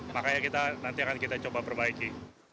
makanya kita nanti akan kita coba perbaiki